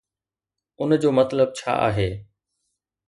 ان جو مطلب ڇا آهي؟